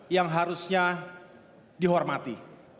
yang harusnya dihormati